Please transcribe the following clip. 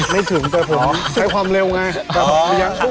ไม่ถึงแต่ผมใช้ความเร็วไง